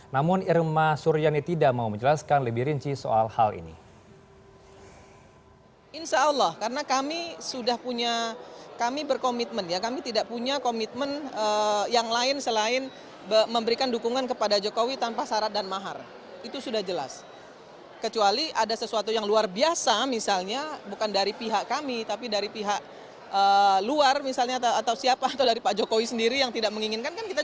namun irma suriani tidak mau menjelaskan lebih rinci soal hal ini